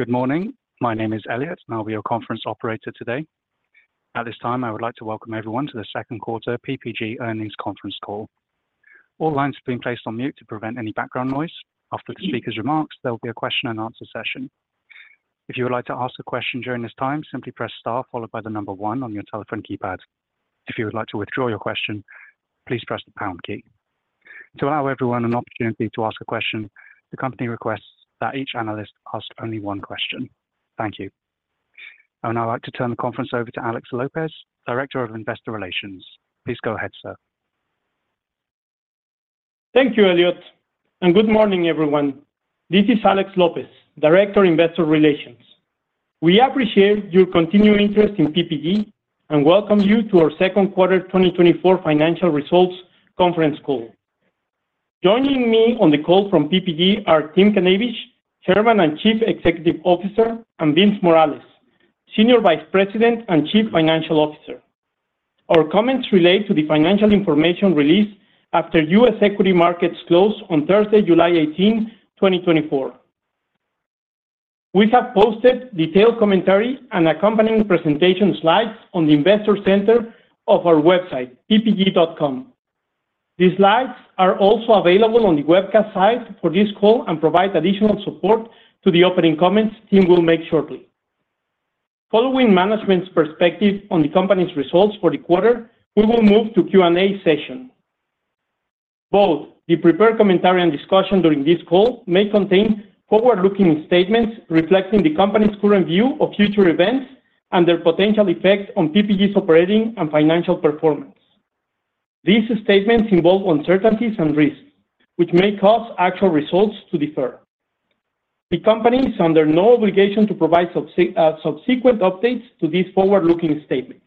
Good morning. My name is Elliot, and I'll be your conference operator today. At this time, I would like to welcome everyone to the second quarter PPG Earnings Conference call. All lines have been placed on mute to prevent any background noise. After the speakers' remarks, there will be a question-and-answer session. If you would like to ask a question during this time, simply press star followed by the number one on your telephone keypad. If you would like to withdraw your question, please press the pound key. To allow everyone an opportunity to ask a question, the company requests that each analyst ask only one question. Thank you. And I'd like to turn the conference over to Alex Lopez, Director of Investor Relations. Please go ahead, sir. Thank you, Elliot, and good morning, everyone. This is Alex Lopez, Director of Investor Relations. We appreciate your continued interest in PPG and welcome you to our second quarter 2024 financial results conference call. Joining me on the call from PPG are Tim Knavish, Chairman and Chief Executive Officer, and Vince Morales, Senior Vice President and Chief Financial Officer. Our comments relate to the financial information released after U.S. equity markets closed on Thursday, July 18, 2024. We have posted detailed commentary and accompanying presentation slides on the investor center of our website, ppg.com. These slides are also available on the webcast site for this call and provide additional support to the opening comments Tim will make shortly. Following management's perspective on the company's results for the quarter, we will move to Q&A session. Both the prepared commentary and discussion during this call may contain forward-looking statements reflecting the company's current view of future events and their potential effect on PPG's operating and financial performance. These statements involve uncertainties and risks, which may cause actual results to differ. The company is under no obligation to provide subsequent updates to these forward-looking statements.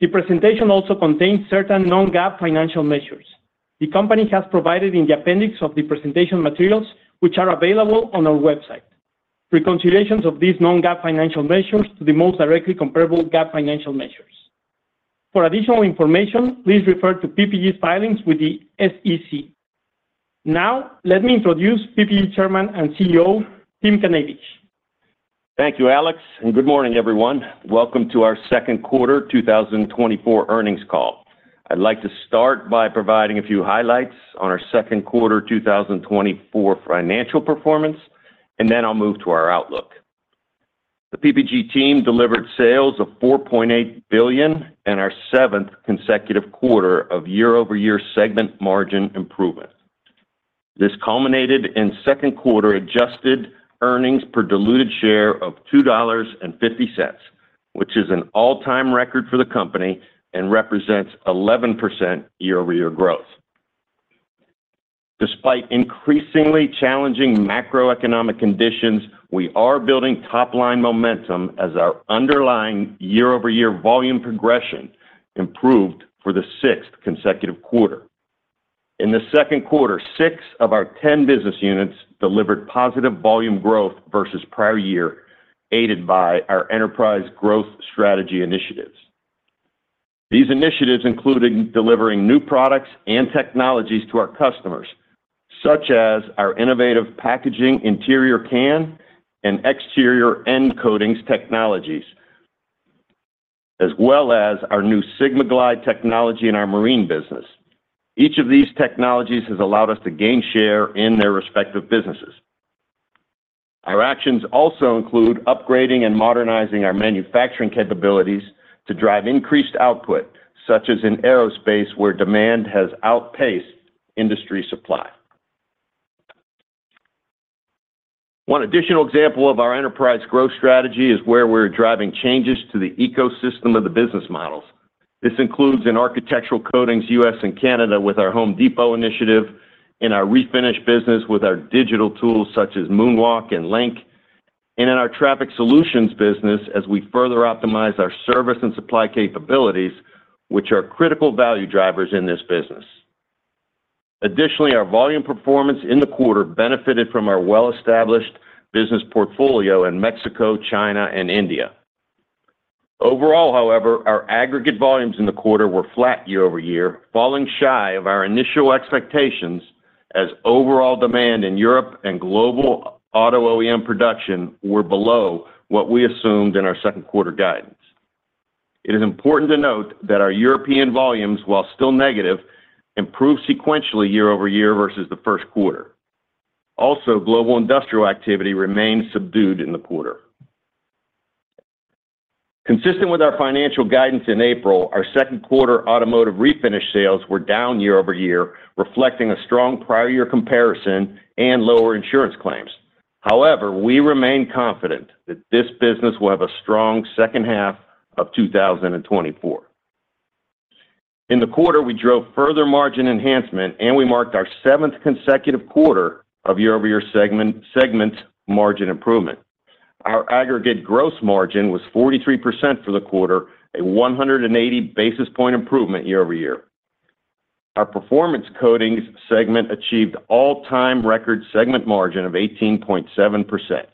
The presentation also contains certain non-GAAP financial measures the company has provided in the appendix of the presentation materials, which are available on our website. Reconciliations of these non-GAAP financial measures to the most directly comparable GAAP financial measures. For additional information, please refer to PPG's filings with the SEC. Now, let me introduce PPG Chairman and CEO Tim Knavish. Thank you, Alex, and good morning, everyone. Welcome to our second quarter 2024 earnings call. I'd like to start by providing a few highlights on our second quarter 2024 financial performance, and then I'll move to our outlook. The PPG team delivered sales of $4.8 billion in our seventh consecutive quarter of year-over-year segment margin improvement. This culminated in second quarter adjusted earnings per diluted share of $2.50, which is an all-time record for the company and represents 11% year-over-year growth. Despite increasingly challenging macroeconomic conditions, we are building top-line momentum as our underlying year-over-year volume progression improved for the sixth consecutive quarter. In the second quarter, six of our 10 business units delivered positive volume growth versus prior year, aided by our enterprise growth strategy initiatives. These initiatives included delivering new products and technologies to our customers, such as our innovative packaging interior can and exterior end coatings technologies, as well as our new SIGMAGLIDE technology in our marine business. Each of these technologies has allowed us to gain share in their respective businesses. Our actions also include upgrading and modernizing our manufacturing capabilities to drive increased output, such as in Aerospace, where demand has outpaced industry supply. One additional example of our enterprise growth strategy is where we're driving changes to the ecosystem of the business models. This includes in architectural coatings U.S. and Canada with our Home Depot initiative, in our refinish business with our digital tools such as MoonWalk and LINQ, and in our Traffic Solutions business as we further optimize our service and supply capabilities, which are critical value drivers in this business. Additionally, our volume performance in the quarter benefited from our well-established business portfolio in Mexico, China, and India. Overall, however, our aggregate volumes in the quarter were flat year-over-year, falling shy of our initial expectations as overall demand in Europe and global auto OEM production were below what we assumed in our second quarter guidance. It is important to note that our European volumes, while still negative, improved sequentially year-over-year versus the first quarter. Also, global industrial activity remained subdued in the quarter. Consistent with our financial guidance in April, our second quarter Automotive Refinish sales were down year-over-year, reflecting a strong prior-year comparison and lower insurance claims. However, we remain confident that this business will have a strong second half of 2024. In the quarter, we drove further margin enhancement, and we marked our seventh consecutive quarter of year-over-year segment margin improvement. Our aggregate gross margin was 43% for the quarter, a 180 basis points improvement year-over-year. Our Performance Coatings segment achieved all-time record segment margin of 18.7%.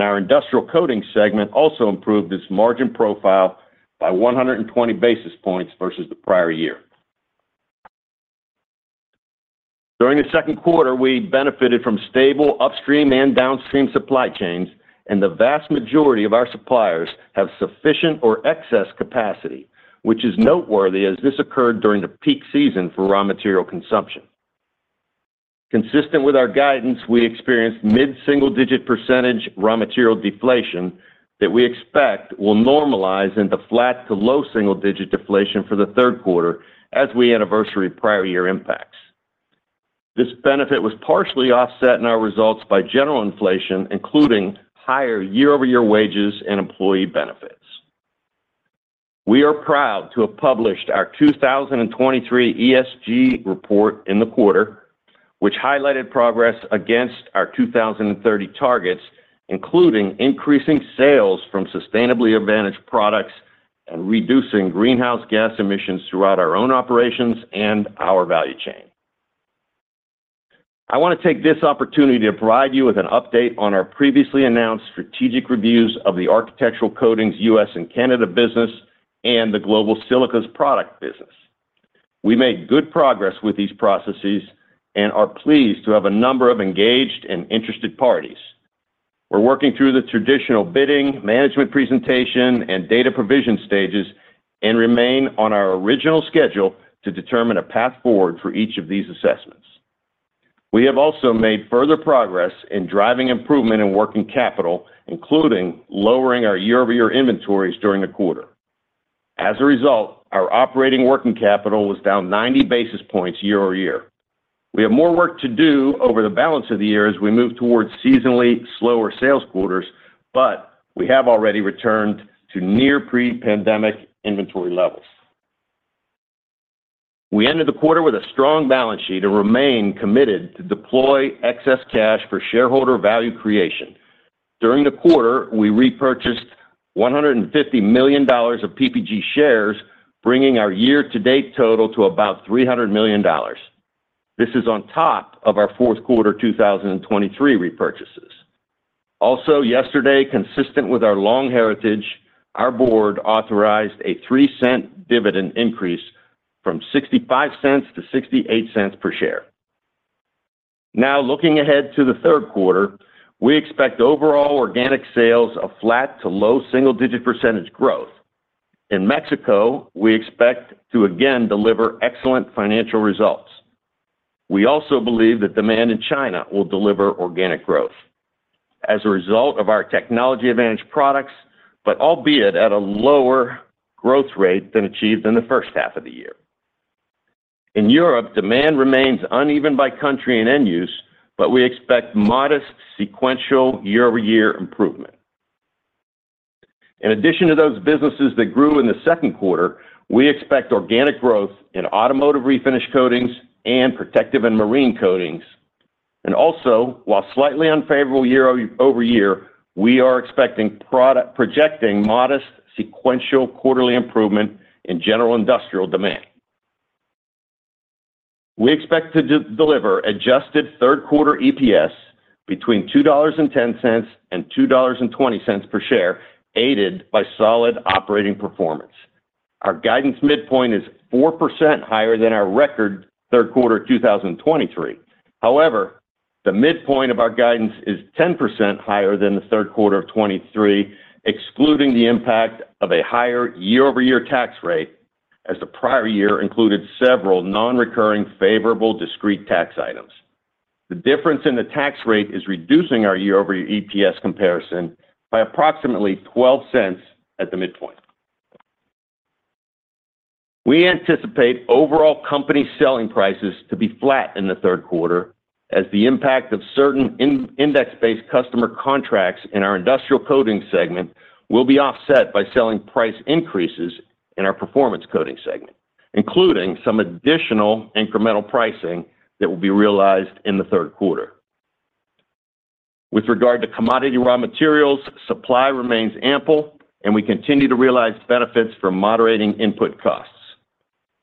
Our Industrial Coatings segment also improved its margin profile by 120 basis points versus the prior year. During the second quarter, we benefited from stable upstream and downstream supply chains, and the vast majority of our suppliers have sufficient or excess capacity, which is noteworthy as this occurred during the peak season for raw material consumption. Consistent with our guidance, we experienced mid-single-digit percentage raw material deflation that we expect will normalize into flat to low single-digit deflation for the third quarter as we anniversary prior-year impacts. This benefit was partially offset in our results by general inflation, including higher year-over-year wages and employee benefits. We are proud to have published our 2023 ESG report in the quarter, which highlighted progress against our 2030 targets, including increasing sales from sustainably advantaged products and reducing greenhouse gas emissions throughout our own operations and our value chain. I want to take this opportunity to provide you with an update on our previously announced strategic reviews of the architectural Coatings U.S. and Canada business and the global silica product business. We made good progress with these processes and are pleased to have a number of engaged and interested parties. We're working through the traditional bidding, management presentation, and data provision stages and remain on our original schedule to determine a path forward for each of these assessments. We have also made further progress in driving improvement in working capital, including lowering our year-over-year inventories during the quarter. As a result, our operating working capital was down 90 basis points year-over-year. We have more work to do over the balance of the year as we move towards seasonally slower sales quarters, but we have already returned to near pre-pandemic inventory levels. We ended the quarter with a strong balance sheet and remain committed to deploy excess cash for shareholder value creation. During the quarter, we repurchased $150 million of PPG shares, bringing our year-to-date total to about $300 million. This is on top of our fourth quarter 2023 repurchases. Also, yesterday, consistent with our long heritage, our board authorized a $0.03 dividend increase from $0.65-$0.68 per share. Now, looking ahead to the third quarter, we expect overall organic sales of flat to low single-digit % growth. In Mexico, we expect to again deliver excellent financial results. We also believe that demand in China will deliver organic growth as a result of our technology-advantaged products, but albeit at a lower growth rate than achieved in the first half of the year. In Europe, demand remains uneven by country and end use, but we expect modest sequential year-over-year improvement. In addition to those businesses that grew in the second quarter, we expect organic growth in Automotive Refinish coatings and Protective and Marine Coatings. While slightly unfavorable year-over-year, we are projecting modest sequential quarterly improvement in general industrial demand. We expect to deliver adjusted third quarter EPS between $2.10 and $2.20 per share, aided by solid operating performance. Our guidance midpoint is 4% higher than our record third quarter 2023. However, the midpoint of our guidance is 10% higher than the third quarter of 2023, excluding the impact of a higher year-over-year tax rate as the prior year included several non-recurring favorable discrete tax items. The difference in the tax rate is reducing our year-over-year EPS comparison by approximately $0.12 at the midpoint. We anticipate overall company selling prices to be flat in the third quarter as the impact of certain index-based customer contracts in our industrial coating segment will be offset by selling price increases in our performance coating segment, including some additional incremental pricing that will be realized in the third quarter. With regard to commodity raw materials, supply remains ample, and we continue to realize benefits from moderating input costs.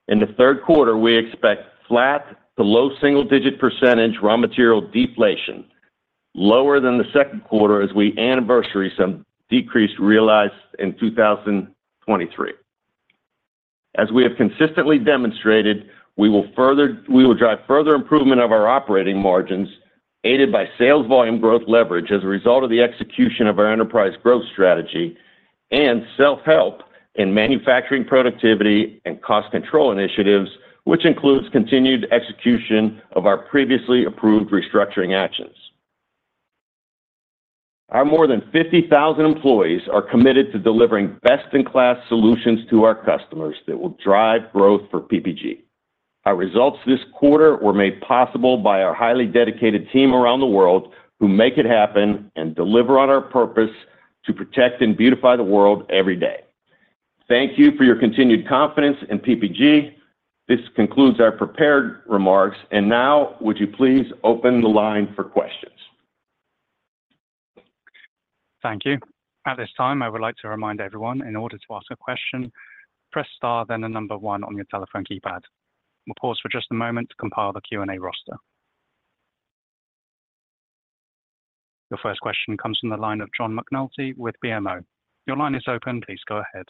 In the third quarter, we expect flat to low single-digit % raw material deflation, lower than the second quarter as we anniversary some decrease realized in 2023. As we have consistently demonstrated, we will drive further improvement of our operating margins, aided by sales volume growth leverage as a result of the execution of our enterprise growth strategy and self-help in manufacturing productivity and cost control initiatives, which includes continued execution of our previously approved restructuring actions. Our more than 50,000 employees are committed to delivering best-in-class solutions to our customers that will drive growth for PPG. Our results this quarter were made possible by our highly dedicated team around the world who make it happen and deliver on our purpose to protect and beautify the world every day. Thank you for your continued confidence in PPG. This concludes our prepared remarks. Now, would you please open the line for questions? Thank you. At this time, I would like to remind everyone in order to ask a question, press star then the number one on your telephone keypad. We'll pause for just a moment to compile the Q&A roster. Your first question comes from the line of John McNulty with BMO. Your line is open. Please go ahead.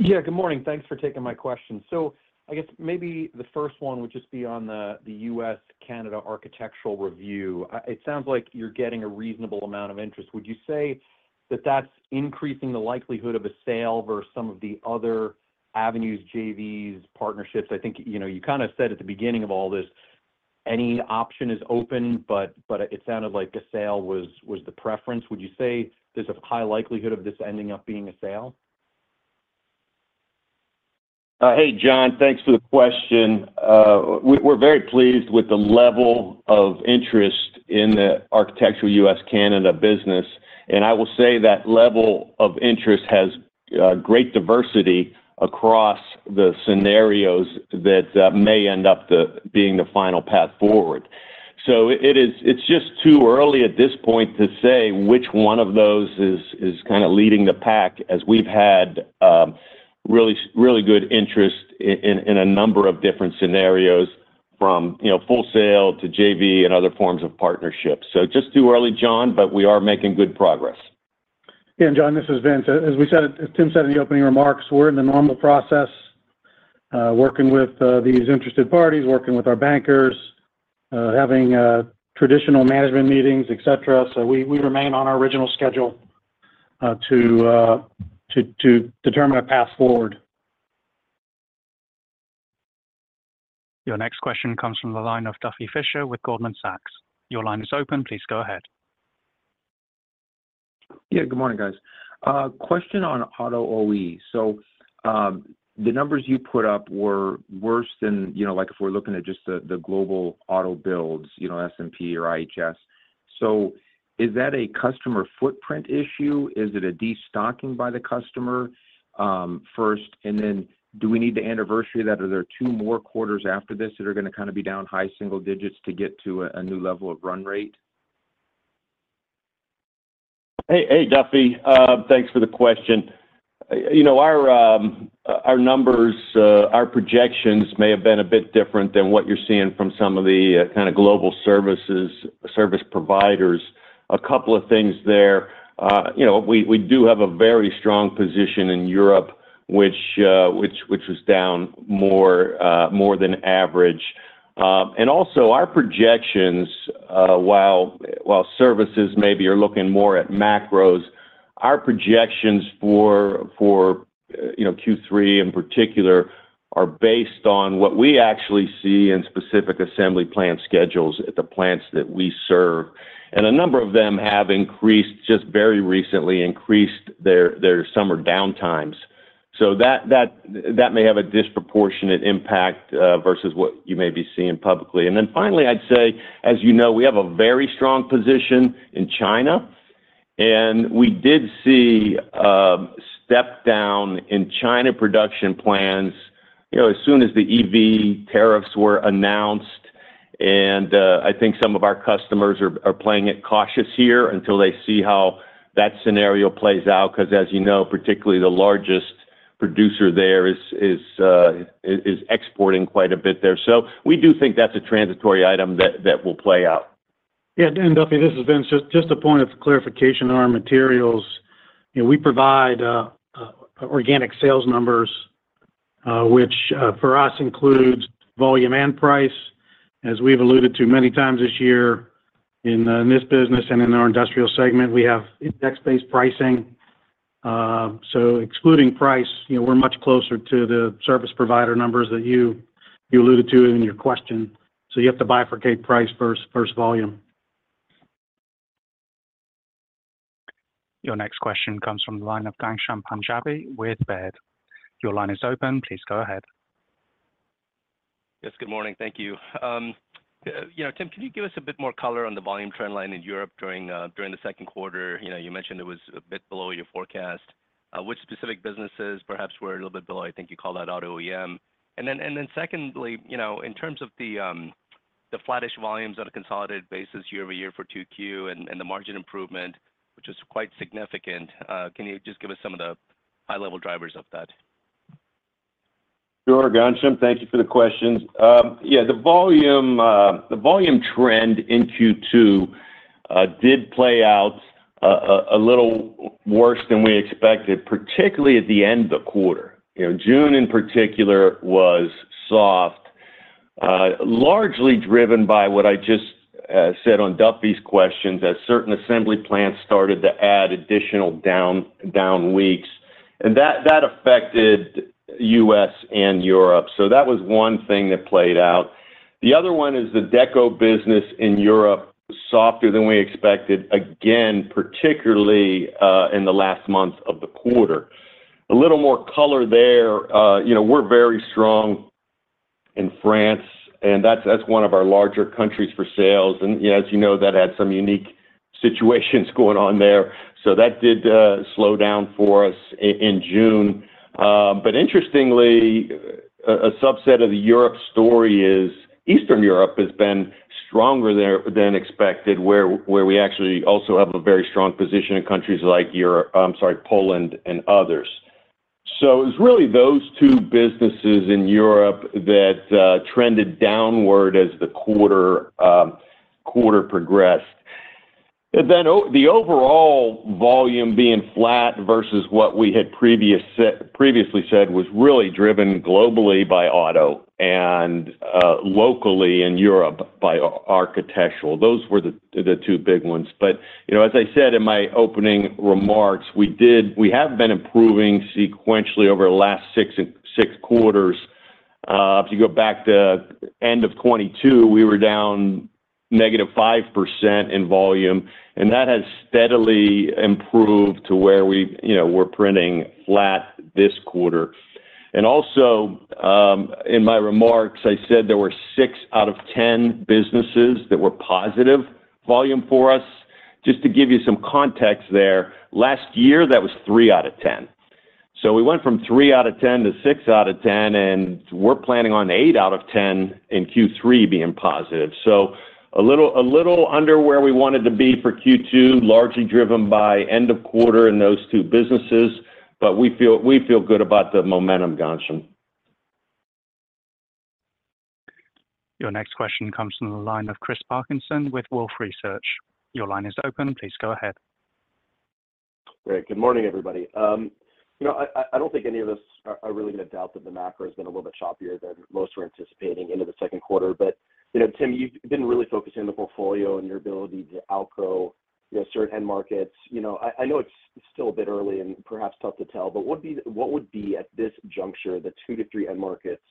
Yeah, good morning. Thanks for taking my question. So I guess maybe the first one would just be on the U.S.-Canada architectural review. It sounds like you're getting a reasonable amount of interest. Would you say that that's increasing the likelihood of a sale versus some of the other avenues, JVs, partnerships? I think you kind of said at the beginning of all this, any option is open, but it sounded like a sale was the preference. Would you say there's a high likelihood of this ending up being a sale? Hey, John, thanks for the question. We're very pleased with the level of interest in the architectural U.S.-Canada business. I will say that level of interest has great diversity across the scenarios that may end up being the final path forward. It's just too early at this point to say which one of those is kind of leading the pack as we've had really good interest in a number of different scenarios from full sale to JV and other forms of partnership. Just too early, John, but we are making good progress. Yeah, and John, this is Vince. As Tim said in the opening remarks, we're in the normal process working with these interested parties, working with our bankers, having traditional management meetings, etc. So we remain on our original schedule to determine a path forward. Your next question comes from the line of Duffy Fischer with Goldman Sachs. Your line is open. Please go ahead. Yeah, good morning, guys. Question on auto OE. So the numbers you put up were worse than if we're looking at just the global auto builds, S&P or IHS. So is that a customer footprint issue? Is it a destocking by the customer first? And then do we need to anniversary that? Are there two more quarters after this that are going to kind of be down high single digits to get to a new level of run rate? Hey, Duffy. Thanks for the question. Our numbers, our projections may have been a bit different than what you're seeing from some of the kind of global service providers. A couple of things there. We do have a very strong position in Europe, which was down more than average. And also, our projections, while services maybe are looking more at macros, our projections for Q3 in particular are based on what we actually see in specific assembly plant schedules at the plants that we serve. And a number of them have increased just very recently, increased their summer downtimes. So that may have a disproportionate impact versus what you may be seeing publicly. And then finally, I'd say, as you know, we have a very strong position in China. And we did see a step down in China production plans as soon as the EV tariffs were announced. I think some of our customers are playing it cautious here until they see how that scenario plays out because, as you know, particularly the largest producer there is exporting quite a bit there. We do think that's a transitory item that will play out. Yeah, and Duffy, this is Vince. Just a point of clarification on our materials. We provide organic sales numbers, which for us includes volume and price. As we've alluded to many times this year in this business and in our industrial segment, we have index-based pricing. So excluding price, we're much closer to the service provider numbers that you alluded to in your question. So you have to bifurcate price versus volume. Your next question comes from the line of Ghansham Panjabi with Baird. Your line is open. Please go ahead. Yes, good morning. Thank you. Tim, can you give us a bit more color on the volume trend line in Europe during the second quarter? You mentioned it was a bit below your forecast. Which specific businesses perhaps were a little bit below? I think you call that auto OEM. And then secondly, in terms of the flattish volumes on a consolidated basis year-over-year for Q2 and the margin improvement, which is quite significant, can you just give us some of the high-level drivers of that? Sure, Ghansham. Thank you for the questions. Yeah, the volume trend in Q2 did play out a little worse than we expected, particularly at the end of the quarter. June, in particular, was soft, largely driven by what I just said on Duffy's questions as certain assembly plants started to add additional down weeks. And that affected U.S. and Europe. So that was one thing that played out. The other one is the Deco business in Europe, softer than we expected, again, particularly in the last month of the quarter. A little more color there. We're very strong in France, and that's one of our larger countries for sales. And as you know, that had some unique situations going on there. So that did slow down for us in June. But interestingly, a subset of the Europe story is Eastern Europe has been stronger than expected, where we actually also have a very strong position in countries like Poland and others. So it was really those two businesses in Europe that trended downward as the quarter progressed. Then the overall volume being flat versus what we had previously said was really driven globally by auto and locally in Europe by architectural. Those were the two big ones. But as I said in my opening remarks, we have been improving sequentially over the last six quarters. If you go back to end of 2022, we were down -5% in volume. And that has steadily improved to where we're printing flat this quarter. And also, in my remarks, I said there were 6 out of 10 businesses that were positive volume for us. Just to give you some context there, last year, that was 3 out of 10. So we went from 3 out of 10-6 out of 10, and we're planning on 8 out of 10 in Q3 being positive. So a little under where we wanted to be for Q2, largely driven by end of quarter in those two businesses. But we feel good about the momentum, Ghansham. Your next question comes from the line of Chris Parkinson with Wolfe Research. Your line is open. Please go ahead. Great. Good morning, everybody. I don't think any of us are really going to doubt that the macro has been a little bit choppier than most were anticipating into the second quarter. But Tim, you've been really focusing on the portfolio and your ability to outgrow certain end markets. I know it's still a bit early and perhaps tough to tell, but what would be at this juncture, the two to three end markets,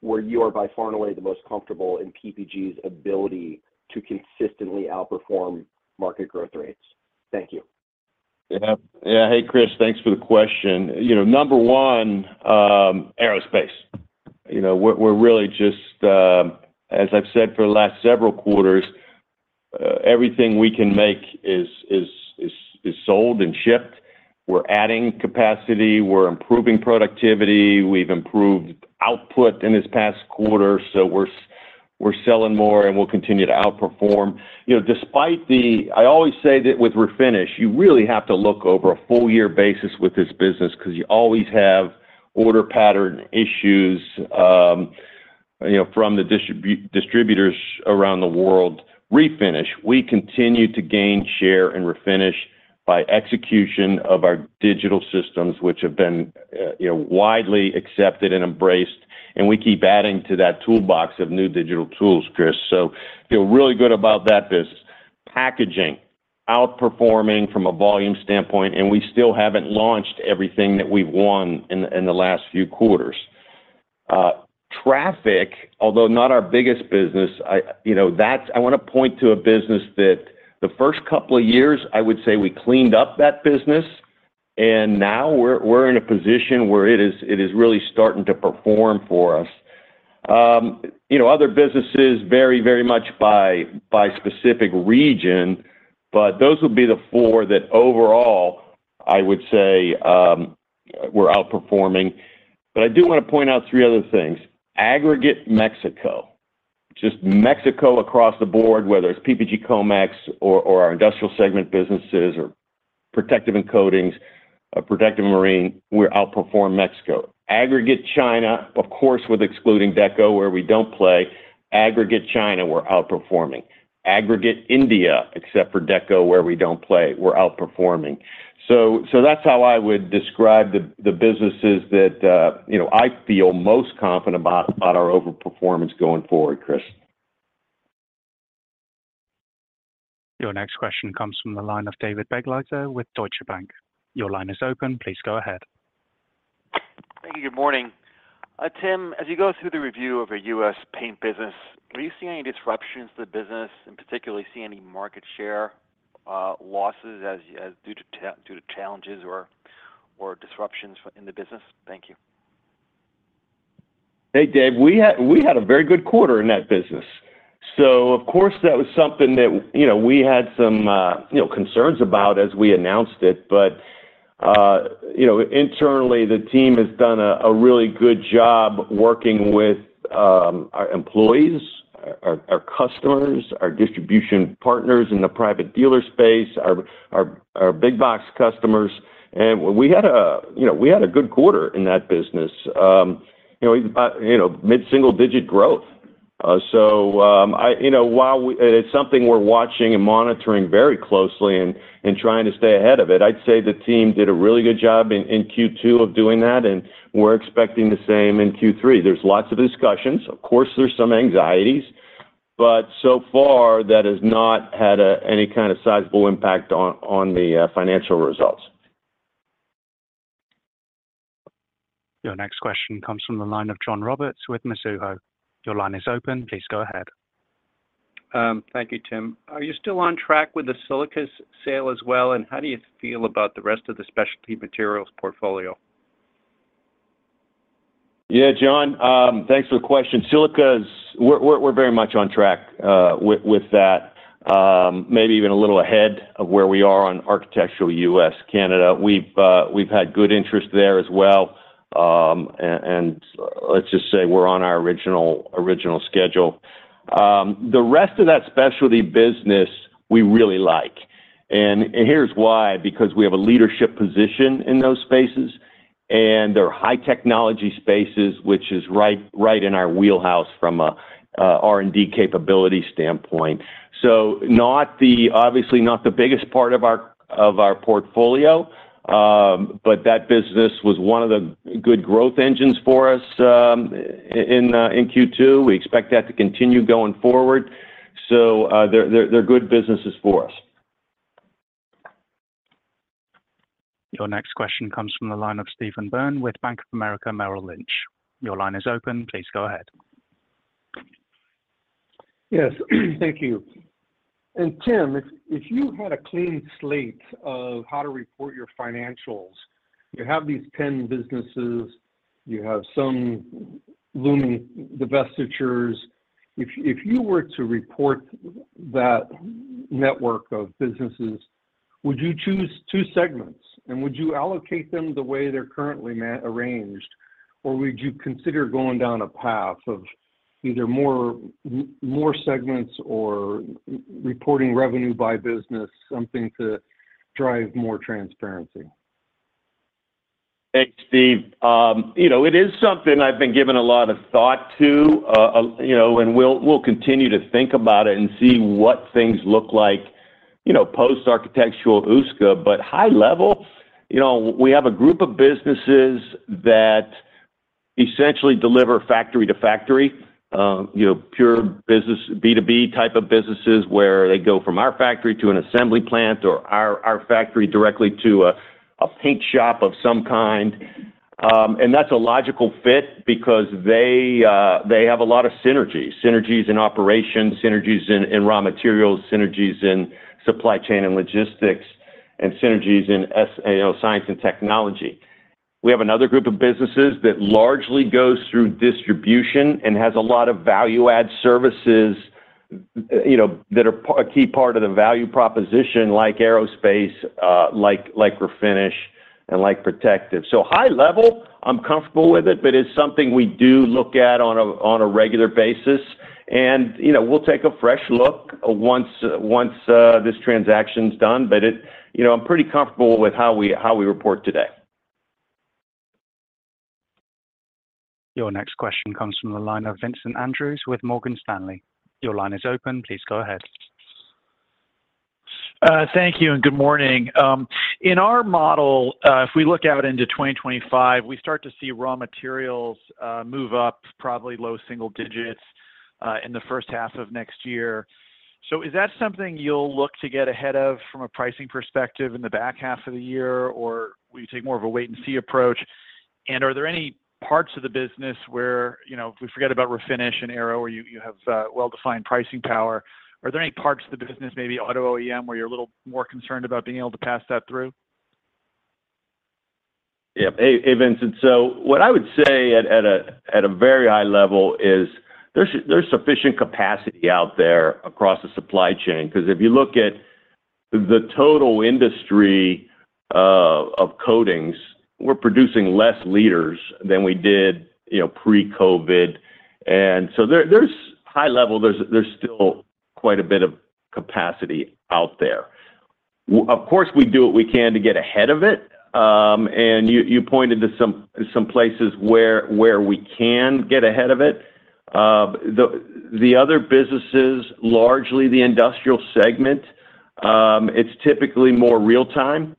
where you are by far and away the most comfortable in PPG's ability to consistently outperform market growth rates? Thank you. Yeah. Yeah. Hey, Chris, thanks for the question. Number one, aerospace. We're really just, as I've said for the last several quarters, everything we can make is sold and shipped. We're adding capacity. We're improving productivity. We've improved output in this past quarter. So we're selling more, and we'll continue to outperform. I always say that with refinish, you really have to look over a full-year basis with this business because you always have order pattern issues from the distributors around the world. Refinish, we continue to gain share in refinish by execution of our digital systems, which have been widely accepted and embraced. And we keep adding to that toolbox of new digital tools, Chris. So feel really good about that. In packaging, outperforming from a volume standpoint, and we still haven't launched everything that we've won in the last few quarters. Traffic, although not our biggest business, I want to point to a business that the first couple of years, I would say we cleaned up that business. And now we're in a position where it is really starting to perform for us. Other businesses vary very much by specific region, but those would be the four that overall, I would say, we're outperforming. But I do want to point out three other things. Aggregate Mexico, just Mexico across the board, whether it's PPG Comex or our industrial segment businesses or protective and marine coatings, we outperform Mexico. Aggregate China, of course, excluding Deco, where we don't play. Aggregate China, we're outperforming. Aggregate India, except for Deco, where we don't play, we're outperforming. So that's how I would describe the businesses that I feel most confident about our overperformance going forward, Chris. Your next question comes from the line of David Begleiter with Deutsche Bank. Your line is open. Please go ahead. Thank you. Good morning. Tim, as you go through the review of your U.S. paint business, are you seeing any disruptions to the business, and particularly see any market share losses due to challenges or disruptions in the business? Thank you. Hey, Dave, we had a very good quarter in that business. So of course, that was something that we had some concerns about as we announced it. But internally, the team has done a really good job working with our employees, our customers, our distribution partners in the private dealer space, our big box customers. And we had a good quarter in that business, mid-single-digit growth. So while it's something we're watching and monitoring very closely and trying to stay ahead of it, I'd say the team did a really good job in Q2 of doing that. And we're expecting the same in Q3. There's lots of discussions. Of course, there's some anxieties. But so far, that has not had any kind of sizable impact on the financial results. Your next question comes from the line of John Roberts with Mizuho. Your line is open. Please go ahead. Thank you, Tim. Are you still on track with the silica sale as well? And how do you feel about the rest of the specialty materials portfolio? Yeah, John, thanks for the question. Silica, we're very much on track with that, maybe even a little ahead of where we are on architectural U.S. Canada. We've had good interest there as well. And let's just say we're on our original schedule. The rest of that specialty business, we really like. And here's why, because we have a leadership position in those spaces. And they're high-tech technology spaces, which is right in our wheelhouse from an R&D capability standpoint. So obviously, not the biggest part of our portfolio, but that business was one of the good growth engines for us in Q2. We expect that to continue going forward. So they're good businesses for us. Your next question comes from the line of Stephen Byrne with Bank of America, Merrill Lynch. Your line is open. Please go ahead. Yes. Thank you. And Tim, if you had a clean slate of how to report your financials, you have these 10 businesses, you have some looming divestitures. If you were to report that network of businesses, would you choose two segments? And would you allocate them the way they're currently arranged? Or would you consider going down a path of either more segments or reporting revenue by business, something to drive more transparency? Thanks, Steve. It is something I've been given a lot of thought to. And we'll continue to think about it and see what things look like post-Architectural USCA. But high level, we have a group of businesses that essentially deliver factory to factory, pure business B2B type of businesses where they go from our factory to an assembly plant or our factory directly to a paint shop of some kind. And that's a logical fit because they have a lot of synergies: synergies in operations, synergies in raw materials, synergies in supply chain and logistics, and synergies in science and technology. We have another group of businesses that largely goes through distribution and has a lot of value-add services that are a key part of the value proposition, like aerospace, like refinish, and like protective. So high level, I'm comfortable with it, but it's something we do look at on a regular basis. And we'll take a fresh look once this transaction's done. But I'm pretty comfortable with how we report today. Your next question comes from the line of Vincent Andrews with Morgan Stanley. Your line is open. Please go ahead. Thank you and good morning. In our model, if we look out into 2025, we start to see raw materials move up, probably low single digits in the first half of next year. So is that something you'll look to get ahead of from a pricing perspective in the back half of the year, or will you take more of a wait-and-see approach? And are there any parts of the business where if we forget about refinish and aero, where you have well-defined pricing power, are there any parts of the business, maybe auto OEM, where you're a little more concerned about being able to pass that through? Yeah. Hey, Vincent. So what I would say at a very high level is there's sufficient capacity out there across the supply chain. Because if you look at the total industry of coatings, we're producing less liters than we did pre-COVID. And so there's high level, there's still quite a bit of capacity out there. Of course, we do what we can to get ahead of it. And you pointed to some places where we can get ahead of it. The other businesses, largely the industrial segment, it's typically more real-time.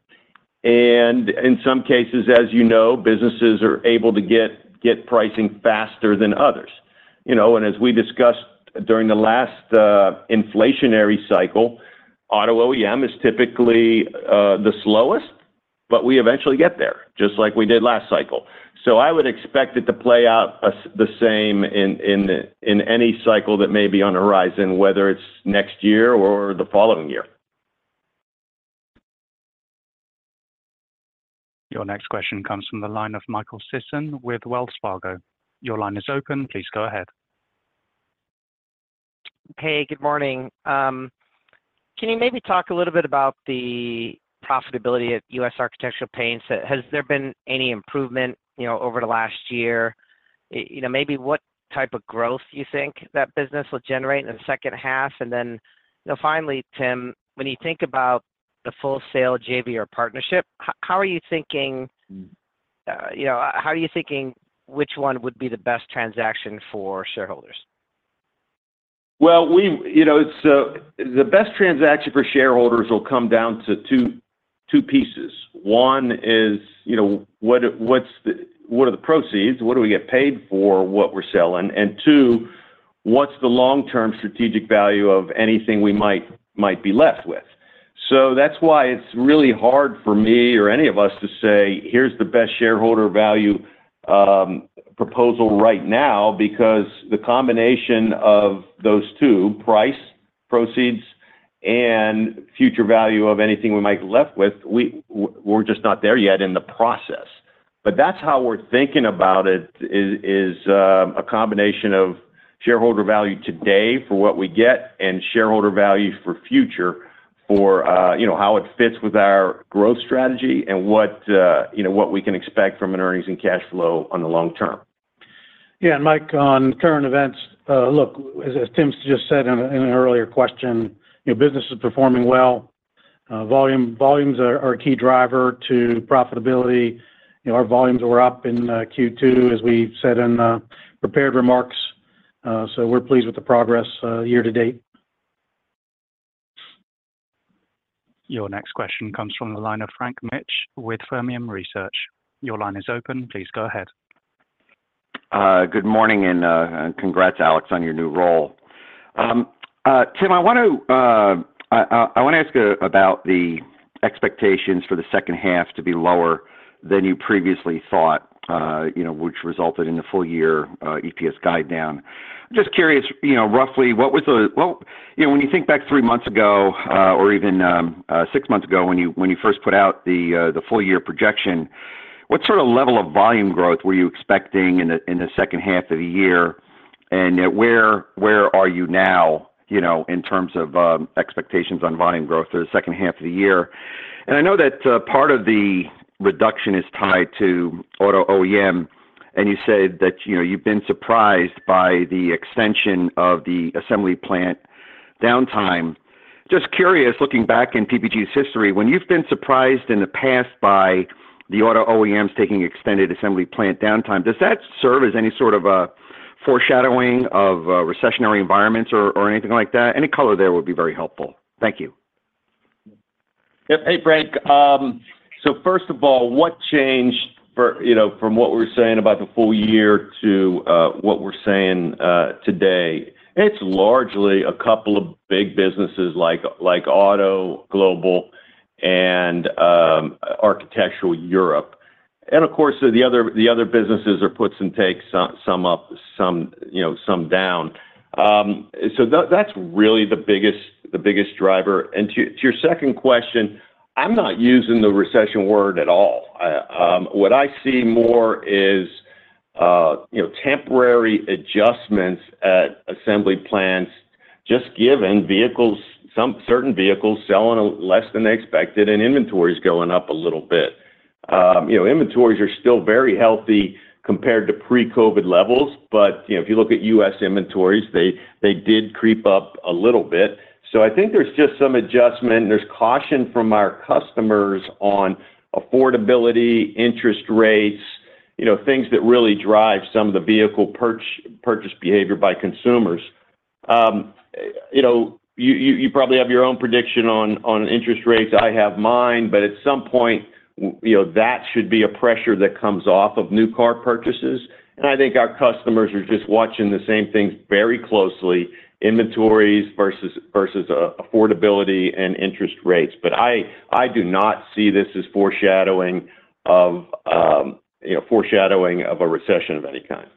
And in some cases, as you know, businesses are able to get pricing faster than others. And as we discussed during the last inflationary cycle, auto OEM is typically the slowest, but we eventually get there, just like we did last cycle. I would expect it to play out the same in any cycle that may be on the horizon, whether it's next year or the following year. Your next question comes from the line of Michael Sisson with Wells Fargo. Your line is open. Please go ahead. Hey, good morning. Can you maybe talk a little bit about the profitability at U.S. Architectural Paints? Has there been any improvement over the last year? Maybe what type of growth you think that business will generate in the second half? And then finally, Tim, when you think about the full-sale JV or partnership, how are you thinking? How are you thinking which one would be the best transaction for shareholders? Well, the best transaction for shareholders will come down to two pieces. One is, what are the proceeds? What do we get paid for what we're selling? And two, what's the long-term strategic value of anything we might be left with? So that's why it's really hard for me or any of us to say, "Here's the best shareholder value proposal right now," because the combination of those two, price, proceeds, and future value of anything we might be left with, we're just not there yet in the process. But that's how we're thinking about it, is a combination of shareholder value today for what we get and shareholder value for future, for how it fits with our growth strategy and what we can expect from an earnings and cash flow on the long term. Yeah. Mike, on current events, look, as Tim's just said in an earlier question, business is performing well. Volumes are a key driver to profitability. Our volumes were up in Q2, as we said in prepared remarks. We're pleased with the progress year to date. Your next question comes from the line of Frank Mitsch with Fermium Research. Your line is open. Please go ahead. Good morning and congrats, Alex, on your new role. Tim, I want to ask about the expectations for the second half to be lower than you previously thought, which resulted in the full-year EPS guide down. I'm just curious, roughly, what was the, well, when you think back three months ago or even six months ago when you first put out the full-year projection, what sort of level of volume growth were you expecting in the second half of the year? And where are you now in terms of expectations on volume growth for the second half of the year? And I know that part of the reduction is tied to auto OEM. And you said that you've been surprised by the extension of the assembly plant downtime. Just curious, looking back in PPG's history, when you've been surprised in the past by the auto OEMs taking extended assembly plant downtime, does that serve as any sort of foreshadowing of recessionary environments or anything like that? Any color there would be very helpful. Thank you. Yep. Hey, Frank. So first of all, what changed from what we're saying about the full year to what we're saying today? It's largely a couple of big businesses like Auto, Global, and Architectural Europe. And of course, the other businesses are puts and takes, some up, some down. So that's really the biggest driver. And to your second question, I'm not using the recession word at all. What I see more is temporary adjustments at assembly plants, just given certain vehicles selling less than they expected and inventories going up a little bit. Inventories are still very healthy compared to pre-COVID levels. But if you look at U.S. inventories, they did creep up a little bit. So I think there's just some adjustment. And there's caution from our customers on affordability, interest rates, things that really drive some of the vehicle purchase behavior by consumers. You probably have your own prediction on interest rates. I have mine. But at some point, that should be a pressure that comes off of new car purchases. And I think our customers are just watching the same things very closely: inventories versus affordability and interest rates. But I do not see this as foreshadowing of a recession of any kind.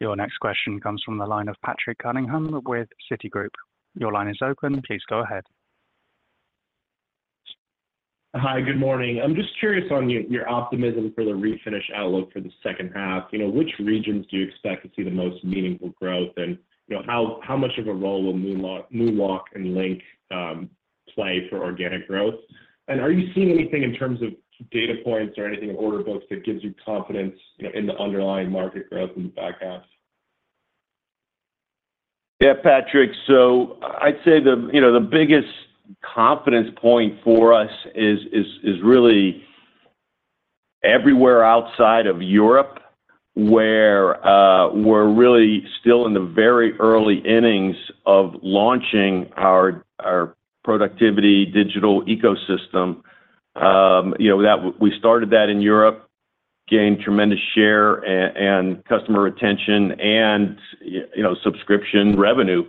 Your next question comes from the line of Patrick Cunningham with Citigroup. Your line is open. Please go ahead. Hi, good morning. I'm just curious on your optimism for the refinish outlook for the second half. Which regions do you expect to see the most meaningful growth? And how much of a role will MoonWalk and LINQ play for organic growth? And are you seeing anything in terms of data points or anything in order books that gives you confidence in the underlying market growth in the back half? Yeah, Patrick. So I'd say the biggest confidence point for us is really everywhere outside of Europe, where we're really still in the very early innings of launching our productivity digital ecosystem. We started that in Europe, gained tremendous share and customer retention and subscription revenue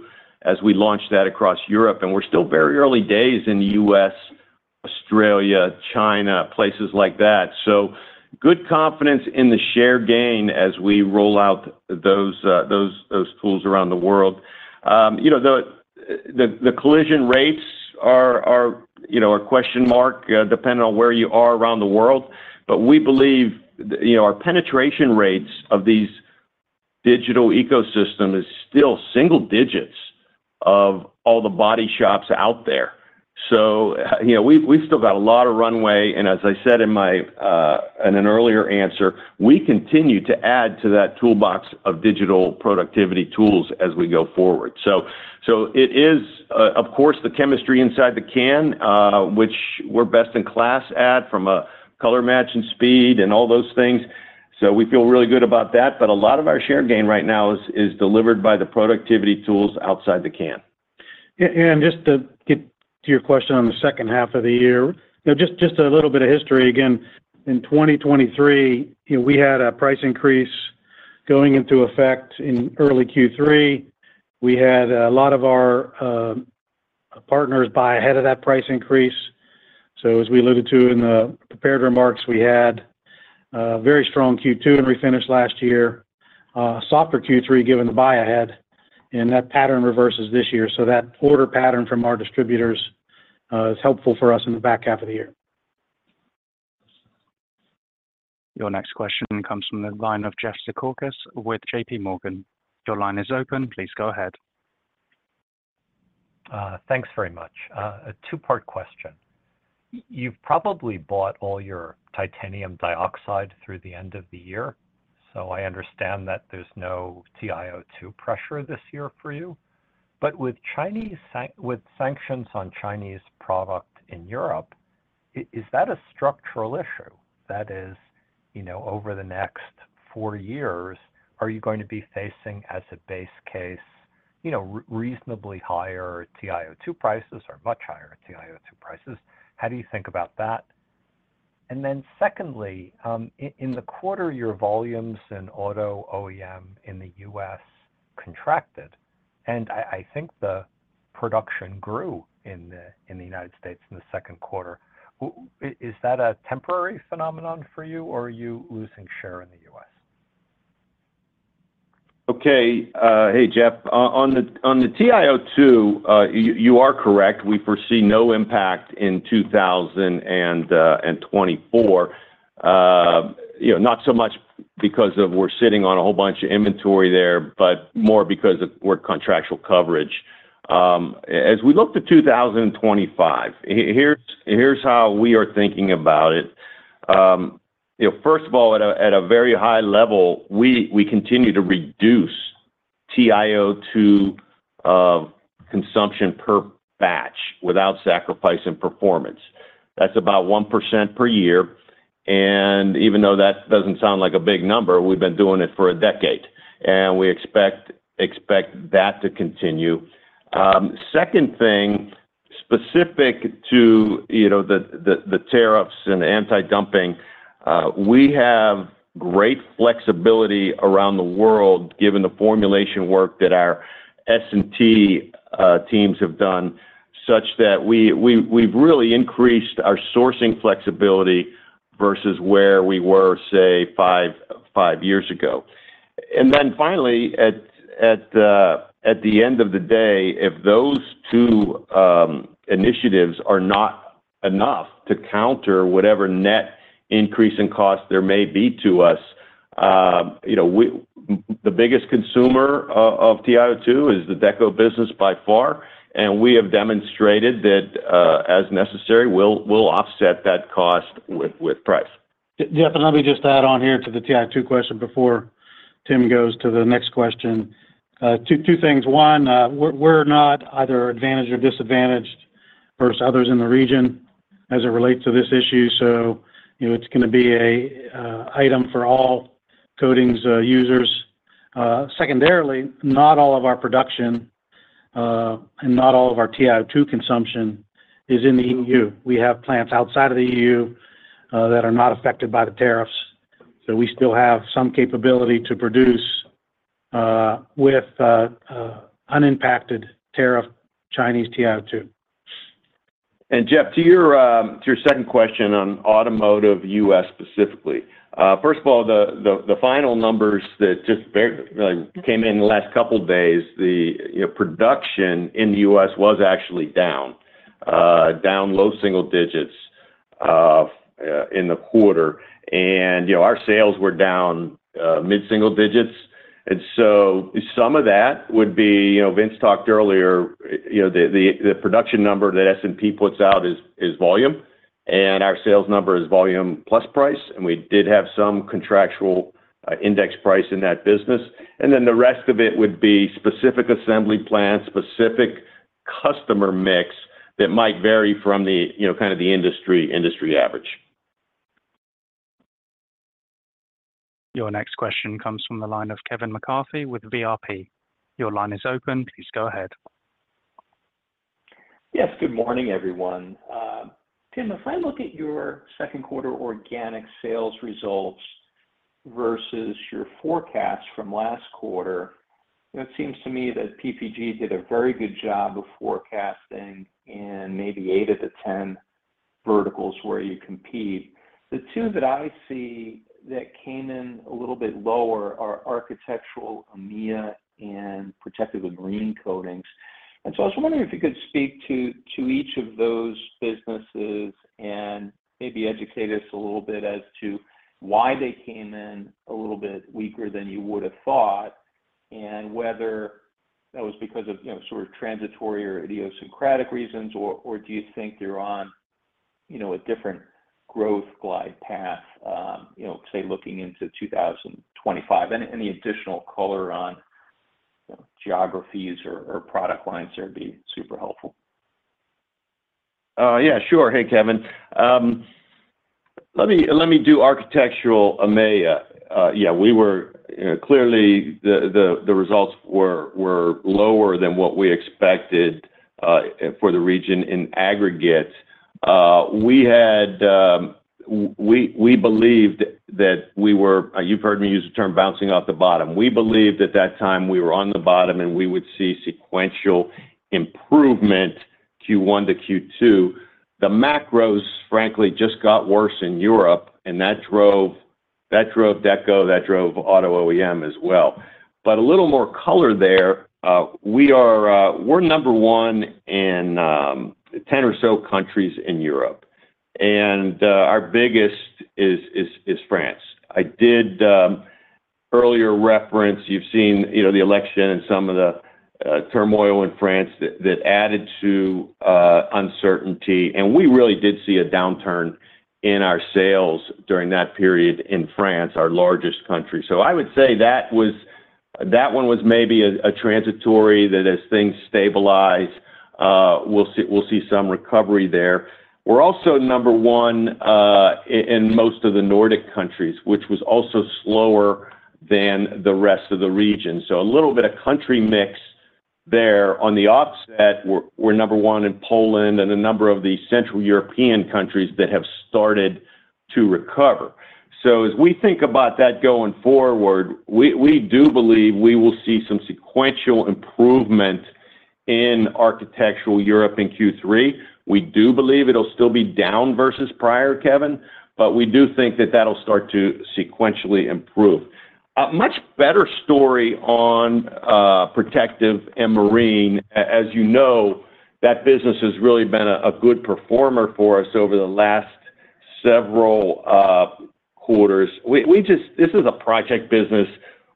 as we launched that across Europe. And we're still very early days in the U.S., Australia, China, places like that. So good confidence in the share gain as we roll out those tools around the world. The collision rates are a question mark depending on where you are around the world. But we believe our penetration rates of these digital ecosystems is still single digits of all the body shops out there. So we've still got a lot of runway. And as I said in an earlier answer, we continue to add to that toolbox of digital productivity tools as we go forward. So it is, of course, the chemistry inside the can, which we're best in class at from a color match and speed and all those things. So we feel really good about that. But a lot of our share gain right now is delivered by the productivity tools outside the can. Yeah. And just to get to your question on the second half of the year, just a little bit of history. Again, in 2023, we had a price increase going into effect in early Q3. We had a lot of our partners buy ahead of that price increase. So as we alluded to in the prepared remarks, we had a very strong Q2 and refinish last year, softer Q3 given the buy ahead. And that pattern reverses this year. So that order pattern from our distributors is helpful for us in the back half of the year. Your next question comes from the line of Jeffrey Zekauskas with JP Morgan. Your line is open. Please go ahead. Thanks very much. A two-part question. You've probably bought all your titanium dioxide through the end of the year. So I understand that there's no TiO2 pressure this year for you. But with sanctions on Chinese product in Europe, is that a structural issue? That is, over the next four years, are you going to be facing, as a base case, reasonably higher TiO2 prices or much higher TiO2 prices? How do you think about that? And then secondly, in the quarter, your volumes in auto OEM in the U.S. contracted. And I think the production grew in the United States in the second quarter. Is that a temporary phenomenon for you, or are you losing share in the U.S.? Okay. Hey, Jeff. On the TiO2, you are correct. We foresee no impact in 2024. Not so much because we're sitting on a whole bunch of inventory there, but more because of contractual coverage. As we look to 2025, here's how we are thinking about it. First of all, at a very high level, we continue to reduce TiO2 consumption per batch without sacrificing performance. That's about 1% per year. And even though that doesn't sound like a big number, we've been doing it for a decade. And we expect that to continue. Second thing, specific to the tariffs and anti-dumping, we have great flexibility around the world given the formulation work that our S&T teams have done, such that we've really increased our sourcing flexibility versus where we were, say, five years ago. Then finally, at the end of the day, if those two initiatives are not enough to counter whatever net increase in cost there may be to us, the biggest consumer of TiO2 is the Deco business by far. We have demonstrated that, as necessary, we'll offset that cost with price. Jeff, and let me just add on here to the TiO2 question before Tim goes to the next question. Two things. One, we're not either advantaged or disadvantaged versus others in the region as it relates to this issue. So it's going to be an item for all coatings users. Secondarily, not all of our production and not all of our TiO2 consumption is in the EU. We have plants outside of the EU that are not affected by the tariffs. So we still have some capability to produce with unimpacted tariff Chinese TiO2. And Jeff, to your second question on automotive U.S. specifically, first of all, the final numbers that just came in the last couple of days, the production in the U.S. was actually down, down low single digits in the quarter. And our sales were down mid-single digits. And so some of that would be Vince talked earlier, the production number that S&P puts out is volume. And our sales number is volume plus price. And we did have some contractual index price in that business. And then the rest of it would be specific assembly plants, specific customer mix that might vary from kind of the industry average. Your next question comes from the line of Kevin McCarthy with VRP. Your line is open. Please go ahead. Yes. Good morning, everyone. Tim, if I look at your second quarter organic sales results versus your forecast from last quarter, it seems to me that PPG did a very good job of forecasting in maybe 8 of the 10 verticals where you compete. The two that I see that came in a little bit lower are Architectural Americas and Protective and Marine Coatings. So I was wondering if you could speak to each of those businesses and maybe educate us a little bit as to why they came in a little bit weaker than you would have thought, and whether that was because of sort of transitory or idiosyncratic reasons, or do you think they're on a different growth glide path, say, looking into 2025? Any additional color on geographies or product lines there would be super helpful. Yeah, sure. Hey, Kevin. Let me do Architectural EMEA. Yeah, clearly, the results were lower than what we expected for the region in aggregate. We believed that we were—you've heard me use the term bouncing off the bottom. We believed at that time we were on the bottom and we would see sequential improvement Q1 to Q2. The macros, frankly, just got worse in Europe. And that drove deco. That drove auto OEM as well. But a little more color there. We're number one in 10 or so countries in Europe. And our biggest is France. I did earlier reference. You've seen the election and some of the turmoil in France that added to uncertainty. And we really did see a downturn in our sales during that period in France, our largest country. So I would say that one was maybe a transitory that as things stabilize, we'll see some recovery there. We're also number one in most of the Nordic countries, which was also slower than the rest of the region. So a little bit of country mix there. On the offset, we're number one in Poland and a number of the Central European countries that have started to recover. So as we think about that going forward, we do believe we will see some sequential improvement in Architectural Europe in Q3. We do believe it'll still be down versus prior, Kevin, but we do think that that'll start to sequentially improve. A much better story on Protective and Marine, as you know, that business has really been a good performer for us over the last several quarters. This is a project business.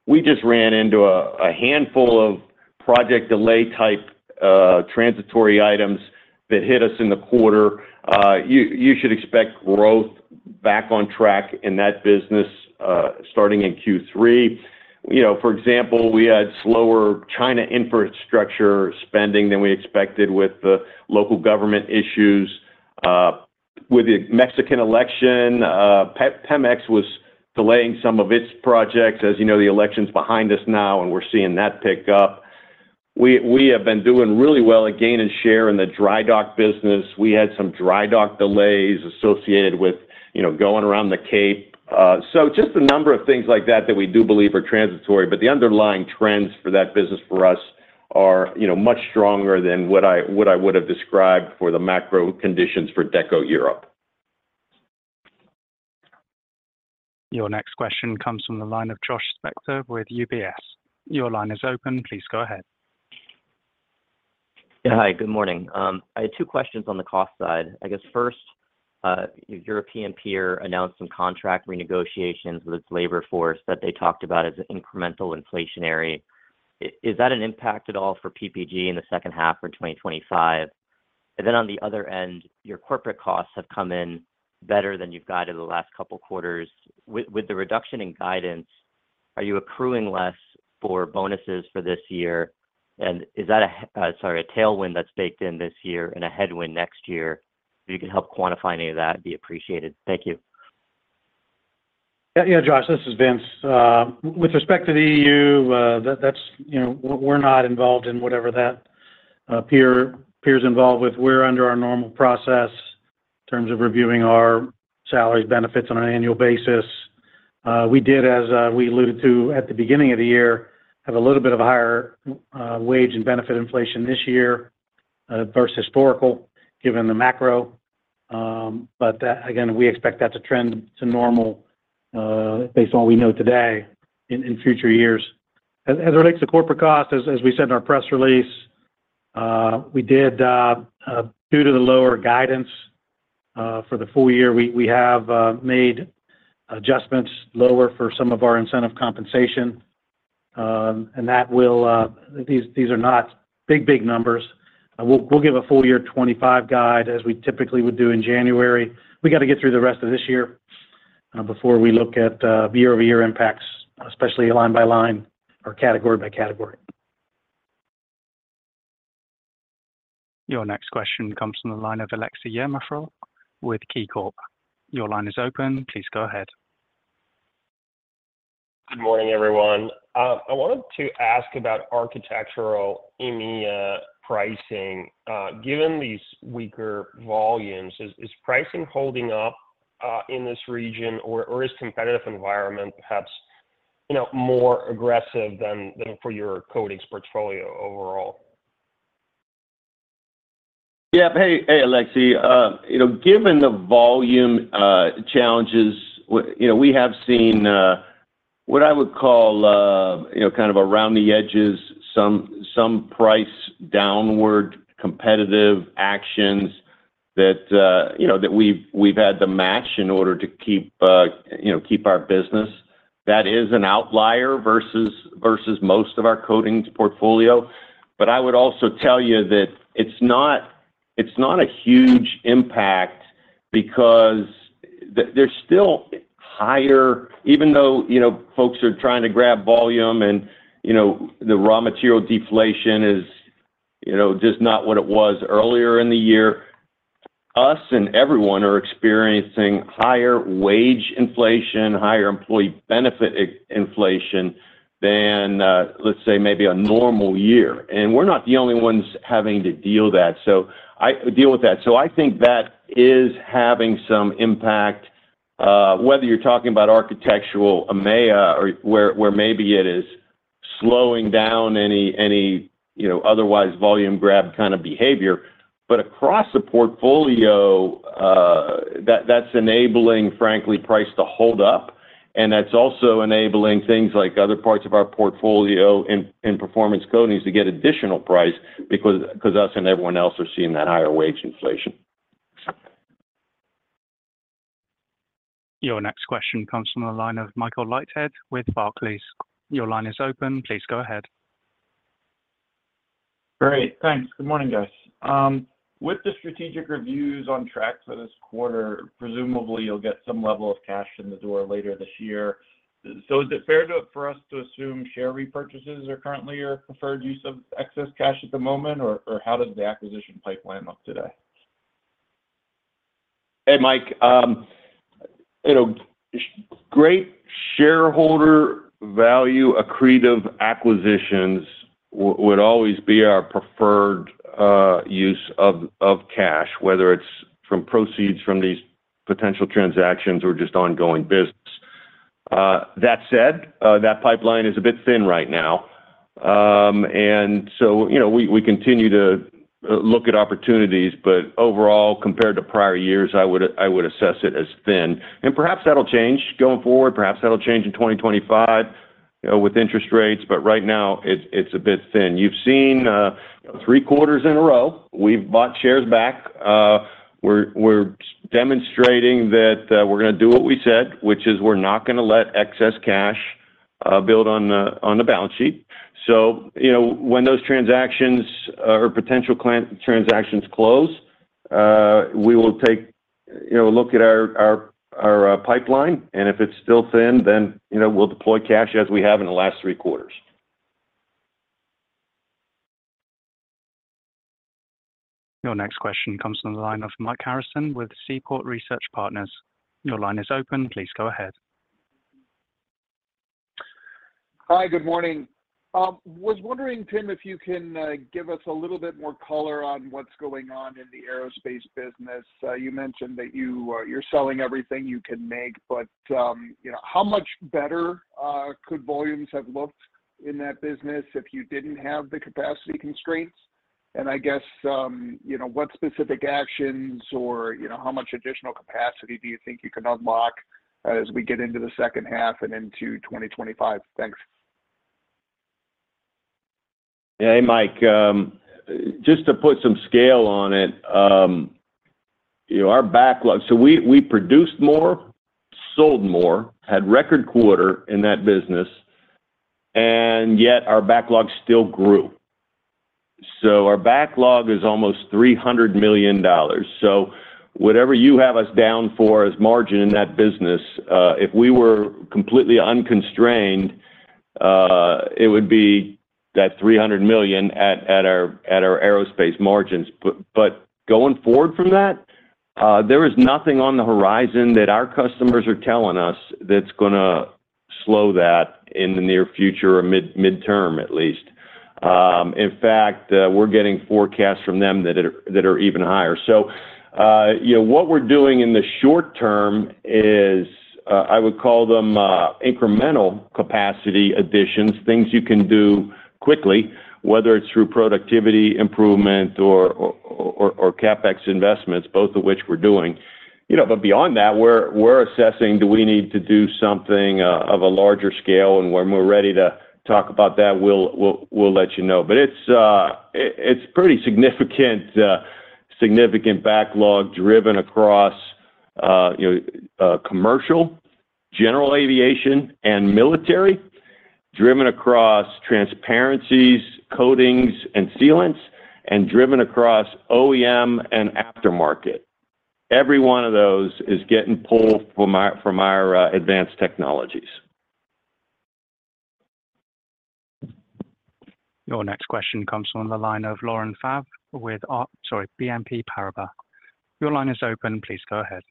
We just ran into a handful of project delay type transitory items that hit us in the quarter. You should expect growth back on track in that business starting in Q3. For example, we had slower China infrastructure spending than we expected with the local government issues. With the Mexican election, Pemex was delaying some of its projects. As you know, the election's behind us now, and we're seeing that pick up. We have been doing really well at gaining share in the dry dock business. We had some dry dock delays associated with going around the Cape. So just a number of things like that that we do believe are transitory. But the underlying trends for that business for us are much stronger than what I would have described for the macro conditions for protective Europe. Your next question comes from the line of Josh Spector with UBS. Your line is open. Please go ahead. Yeah. Hi, good morning. I had two questions on the cost side. I guess first, your European peer announced some contract renegotiations with its labor force that they talked about as incremental inflationary. Is that an impact at all for PPG in the second half for 2025? And then on the other end, your corporate costs have come in better than you've guided the last couple of quarters. With the reduction in guidance, are you accruing less for bonuses for this year? And is that, sorry, a tailwind that's baked in this year and a headwind next year? If you can help quantify any of that, it'd be appreciated. Thank you. Yeah. Josh, this is Vince. With respect to the EU, we're not involved in whatever that peer is involved with. We're under our normal process in terms of reviewing our salaries, benefits on an annual basis. We did, as we alluded to at the beginning of the year, have a little bit of a higher wage and benefit inflation this year versus historical given the macro. But again, we expect that to trend to normal based on what we know today in future years. As it relates to corporate costs, as we said in our press release, due to the lower guidance for the full year, we have made adjustments lower for some of our incentive compensation. And these are not big, big numbers. We'll give a full-year 2025 guide as we typically would do in January. We got to get through the rest of this year before we look at year-over-year impacts, especially line by line or category by category. Your next question comes from the line of Aleksey Yefremov with KeyBanc Capital Markets. Your line is open. Please go ahead. Good morning, everyone. I wanted to ask about Architectural Americas pricing. Given these weaker volumes, is pricing holding up in this region, or is the competitive environment perhaps more aggressive than for your coatings portfolio overall? Yeah. Hey, Aleksey. Given the volume challenges, we have seen what I would call kind of around the edges, some price downward competitive actions that we've had to match in order to keep our business. That is an outlier versus most of our coatings portfolio. But I would also tell you that it's not a huge impact because there's still higher, even though folks are trying to grab volume and the raw material deflation is just not what it was earlier in the year, us and everyone are experiencing higher wage inflation, higher employee benefit inflation than, let's say, maybe a normal year. And we're not the only ones having to deal with that. So I think that is having some impact, whether you're talking about Architectural Americas where maybe it is slowing down any otherwise volume grab kind of behavior. But across the portfolio, that's enabling, frankly, price to hold up. And that's also enabling things like other parts of our portfolio in performance coatings to get additional price because us and everyone else are seeing that higher wage inflation. Your next question comes from the line of Michael Leithead with Barclays. Your line is open. Please go ahead. Great. Thanks. Good morning, guys. With the strategic reviews on track for this quarter, presumably you'll get some level of cash in the door later this year. So is it fair for us to assume share repurchases are currently your preferred use of excess cash at the moment? Or how does the acquisition pipeline look today? Hey, Mike. Great shareholder value accretive acquisitions would always be our preferred use of cash, whether it's from proceeds from these potential transactions or just ongoing business. That said, that pipeline is a bit thin right now. And so we continue to look at opportunities. But overall, compared to prior years, I would assess it as thin. And perhaps that'll change going forward. Perhaps that'll change in 2025 with interest rates. But right now, it's a bit thin. You've seen three quarters in a row. We've bought shares back. We're demonstrating that we're going to do what we said, which is we're not going to let excess cash build on the balance sheet. So when those transactions or potential transactions close, we will take a look at our pipeline. And if it's still thin, then we'll deploy cash as we have in the last three quarters. Your next question comes from the line of Mike Harrison with Seaport Research Partners. Your line is open. Please go ahead. Hi, good morning? Was wondering, Tim, if you can give us a little bit more color on what's going on in the aerospace business? You mentioned that you're selling everything you can make. But how much better could volumes have looked in that business if you didn't have the capacity constraints? And I guess what specific actions or how much additional capacity do you think you can unlock as we get into the second half and into 2025? Thanks. Yeah. Hey, Mike. Just to put some scale on it, our backlog, so we produced more, sold more, had record quarter in that business, and yet our backlog still grew. So our backlog is almost $300 million. So whatever you have us down for as margin in that business, if we were completely unconstrained, it would be that $300 million at our aerospace margins. But going forward from that, there is nothing on the horizon that our customers are telling us that's going to slow that in the near future or midterm at least. In fact, we're getting forecasts from them that are even higher. So what we're doing in the short term is I would call them incremental capacity additions, things you can do quickly, whether it's through productivity improvement or CapEx investments, both of which we're doing. But beyond that, we're assessing do we need to do something of a larger scale? When we're ready to talk about that, we'll let you know. It's pretty significant backlog driven across commercial, general aviation, and military, driven across transparencies, coatings, and sealants, and driven across OEM and aftermarket. Every one of those is getting pulled from our advanced technologies. Your next question comes from the line of Laurent Favre with, sorry, BNP Paribas. Your line is open. Please go ahead.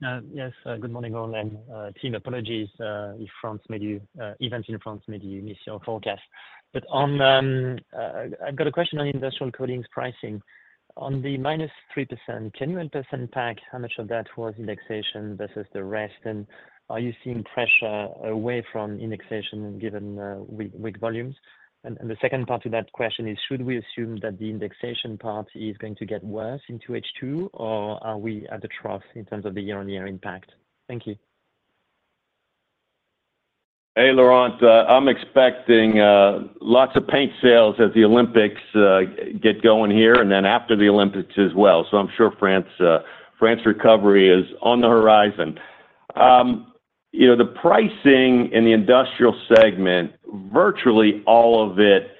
Yes. Good morning, all. And Tim, apologies if France made you. Events in France made you miss your forecast. But I've got a question on industrial coatings pricing. On the -3%, can you help us unpack how much of that was indexation versus the rest? And are you seeing pressure away from indexation given weak volumes? And the second part of that question is, should we assume that the indexation part is going to get worse into H2, or are we at a trough in terms of the year-on-year impact? Thank you. Hey, Laurent. I'm expecting lots of paint sales at the Olympics get going here and then after the Olympics as well. So I'm sure France's recovery is on the horizon. The pricing in the industrial segment, virtually all of it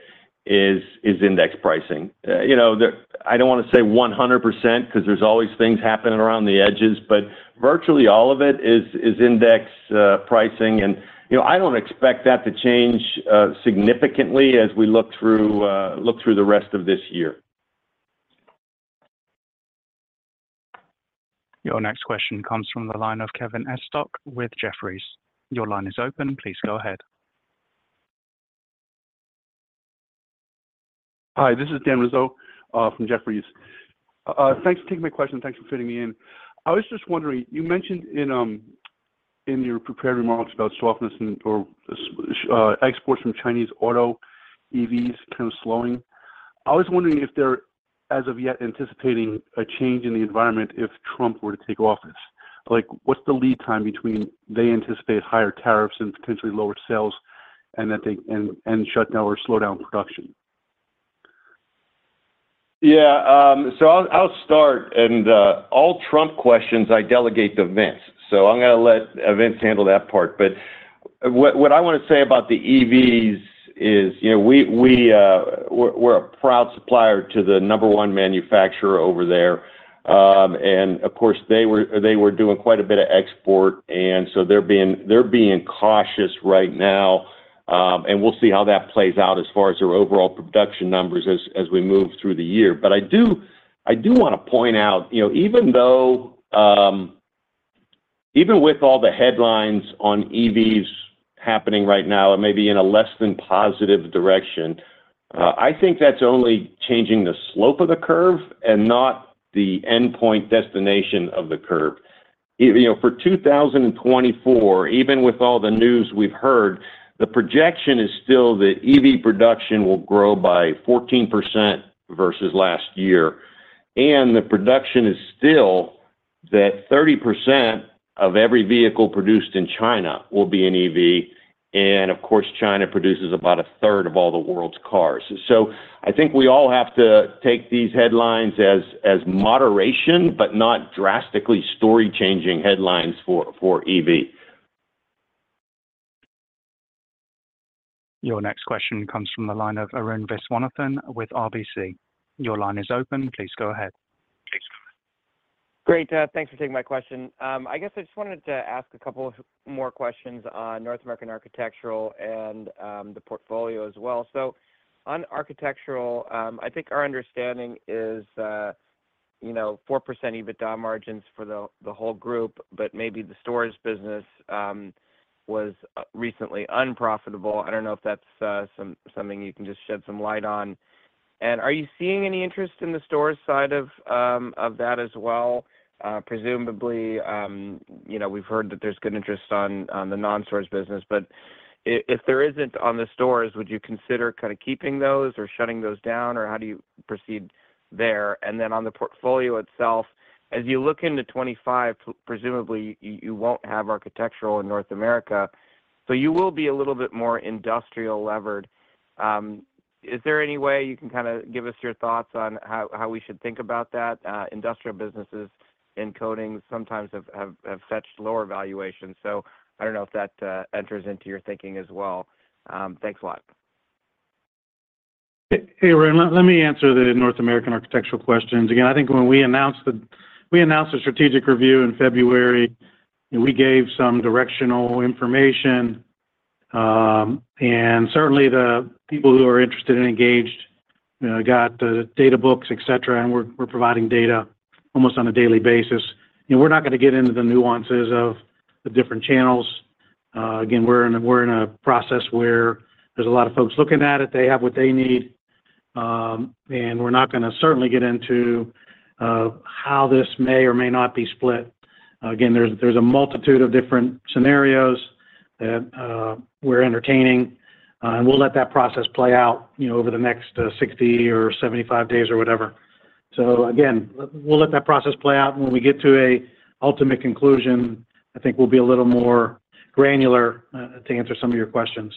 is index pricing. I don't want to say 100% because there's always things happening around the edges, but virtually all of it is index pricing. And I don't expect that to change significantly as we look through the rest of this year. Your next question comes from the line of Kevin Estok with Jefferies. Your line is open. Please go ahead. Hi, this is Dan Rizzo from Jefferies. Thanks for taking my question. Thanks for fitting me in. I was just wondering, you mentioned in your prepared remarks about softness or exports from Chinese auto EVs kind of slowing. I was wondering if they're, as of yet, anticipating a change in the environment if Trump were to take office. What's the lead time between they anticipate higher tariffs and potentially lower sales and shutdown or slowdown production? Yeah. So I'll start. And all Trump questions, I delegate to Vince. So I'm going to let Vince handle that part. But what I want to say about the EVs is we're a proud supplier to the number one manufacturer over there. And of course, they were doing quite a bit of export. And so they're being cautious right now. And we'll see how that plays out as far as their overall production numbers as we move through the year. But I do want to point out, even with all the headlines on EVs happening right now, it may be in a less than positive direction. I think that's only changing the slope of the curve and not the endpoint destination of the curve. For 2024, even with all the news we've heard, the projection is still that EV production will grow by 14% versus last year. The production is still that 30% of every vehicle produced in China will be an EV. Of course, China produces about a third of all the world's cars. I think we all have to take these headlines as moderation, but not drastically story-changing headlines for EV. Your next question comes from the line of Arun Viswanathan with RBC. Your line is open. Please go ahead. Great. Thanks for taking my question. I guess I just wanted to ask a couple more questions on North American architectural and the portfolio as well. On Architectural, I think our understanding is 4% EBITDA margins for the whole group, but maybe the stores business was recently unprofitable. I don't know if that's something you can just shed some light on. And are you seeing any interest in the stores side of that as well? Presumably, we've heard that there's good interest on the non-stores business. But if there isn't on the stores, would you consider kind of keeping those or shutting those down? Or how do you proceed there? And then on the portfolio itself, as you look into 2025, presumably you won't have Architectural in North America. So you will be a little bit more industrial-levered. Is there any way you can kind of give us your thoughts on how we should think about that? Industrial businesses in coatings sometimes have fetched lower valuations. So I don't know if that enters into your thinking as well. Thanks a lot. Hey, Arun. Let me answer the North American architectural questions. Again, I think when we announced the strategic review in February, we gave some directional information. Certainly, the people who are interested and engaged got the data books, etc. We're providing data almost on a daily basis. We're not going to get into the nuances of the different channels. Again, we're in a process where there's a lot of folks looking at it. They have what they need. We're not going to certainly get into how this may or may not be split. Again, there's a multitude of different scenarios that we're entertaining. We'll let that process play out over the next 60 or 75 days or whatever. So again, we'll let that process play out. When we get to an ultimate conclusion, I think we'll be a little more granular to answer some of your questions.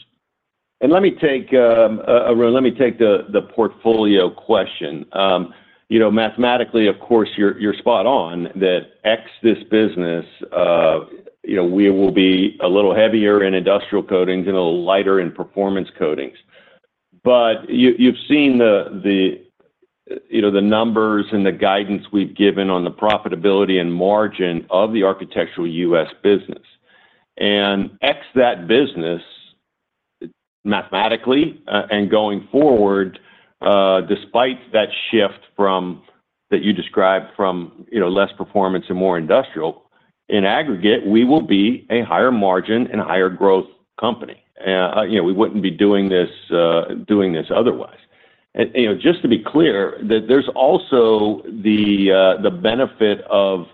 And let me take, Arun, let me take the portfolio question. Mathematically, of course, you're spot on that in this business, we will be a little heavier in industrial coatings and a little lighter in performance coatings. But you've seen the numbers and the guidance we've given on the profitability and margin of the architectural U.S. business. And in that business, mathematically and going forward, despite that shift that you described from less performance and more industrial, in aggregate, we will be a higher margin and higher growth company. We wouldn't be doing this otherwise. Just to be clear, there's also the benefit of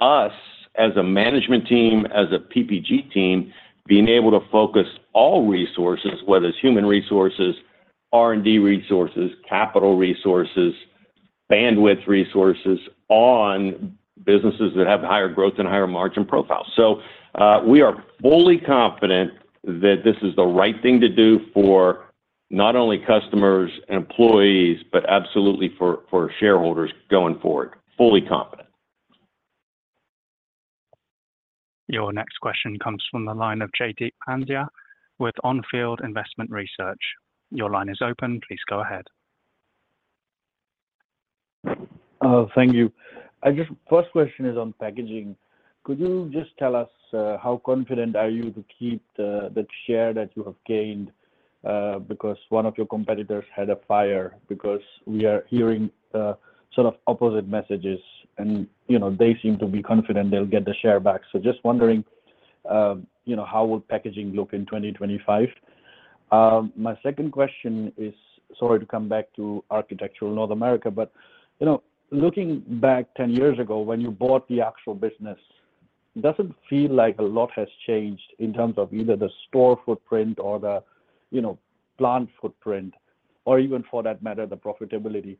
us as a management team, as a PPG team, being able to focus all resources, whether it's human resources, R&D resources, capital resources, bandwidth resources, on businesses that have higher growth and higher margin profiles. We are fully confident that this is the right thing to do for not only customers and employees, but absolutely for shareholders going forward. Fully confident. Your next question comes from the line of Jaideep Pandya with On field Investment Research. Your line is open. Please go ahead. Thank you. First question is on packaging. Could you just tell us how confident are you to keep the share that you have gained because one of your competitors had a fire? Because we are hearing sort of opposite messages. And they seem to be confident they'll get the share back. So just wondering, how will packaging look in 2025? My second question is, sorry to come back to architectural North America, but looking back 10 years ago when you bought the actual business, does it feel like a lot has changed in terms of either the store footprint or the plant footprint, or even for that matter, the profitability?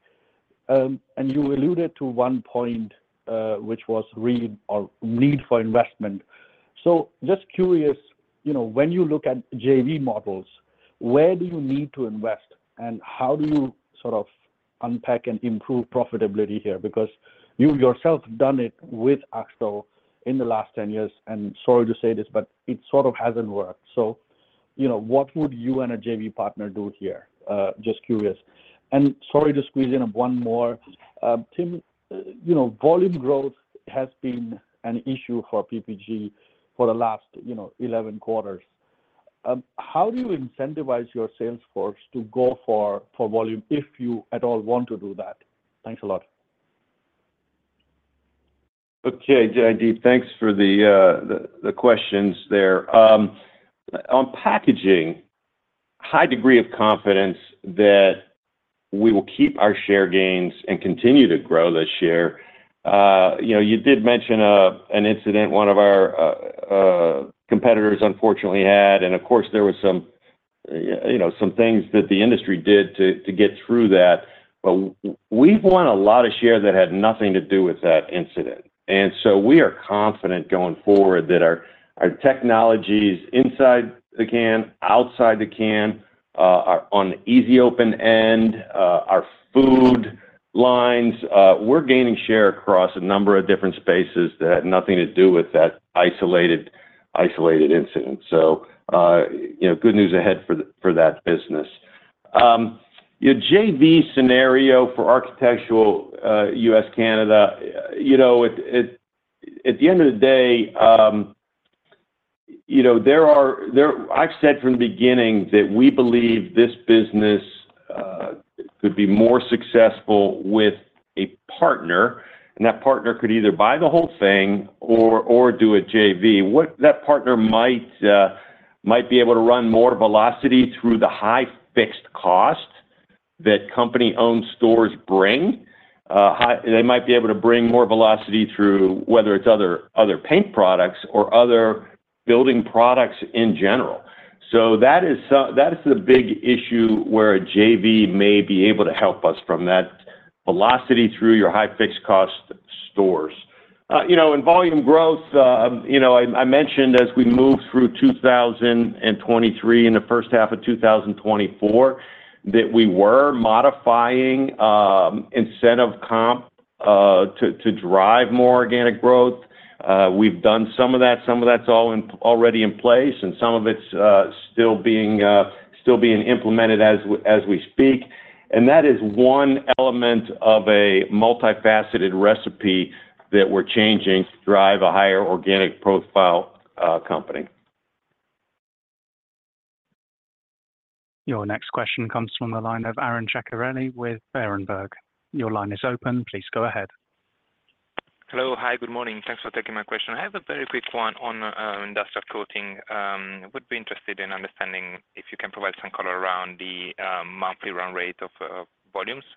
And you alluded to one point, which was need for investment. So just curious, when you look at JV models, where do you need to invest? And how do you sort of unpack and improve profitability here? Because you yourself have done it with Akzo in the last 10 years. And sorry to say this, but it sort of hasn't worked. So what would you and a JV partner do here? Just curious. And sorry to squeeze in one more. Tim, volume growth has been an issue for PPG for the last 11 quarters. How do you incentivize your salesforce to go for volume if you at all want to do that? Thanks a lot. Okay. JD, thanks for the questions there. On packaging, high degree of confidence that we will keep our share gains and continue to grow this year. You did mention an incident one of our competitors unfortunately had. And of course, there were some things that the industry did to get through that. But we've won a lot of share that had nothing to do with that incident. And so we are confident going forward that our technologies inside the can, outside the can, on the Easy Open end, our food lines, we're gaining share across a number of different spaces that had nothing to do with that isolated incident. So good news ahead for that business. JV scenario for Architectural U.S. Canada, at the end of the day, I've said from the beginning that we believe this business could be more successful with a partner. That partner could either buy the whole thing or do a JV. That partner might be able to run more velocity through the high fixed cost that company-owned stores bring. They might be able to bring more velocity through whether it's other paint products or other building products in general. So that is the big issue where a JV may be able to help us from that velocity through your high fixed cost stores. In volume growth, I mentioned as we moved through 2023 and the first half of 2024 that we were modifying incentive comp to drive more organic growth. We've done some of that. Some of that's already in place. And some of it's still being implemented as we speak. And that is one element of a multifaceted recipe that we're changing to drive a higher organic profile company. Your next question comes from the line of Aron Ceccarelli with Berenberg. Your line is open. Please go ahead. Hello. Hi. Good morning. Thanks for taking my question. I have a very quick one on industrial coating. I would be interested in understanding if you can provide some color around the monthly run rate of volumes.